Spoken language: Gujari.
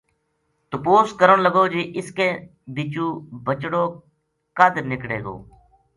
تپوس کرن لگو جی اِس کے بِچو بچڑو کد نِکڑے گو